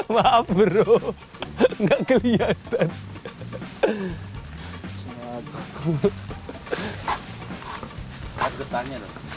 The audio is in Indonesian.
maaf bro nggak kelihatan